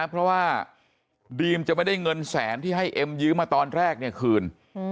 เพราะว่าดีมจะไม่ได้เงินแสนที่ให้เอ็มยื้อมาตอนแรกคืน